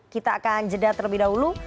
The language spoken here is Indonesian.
kita akan jeda terlebih dahulu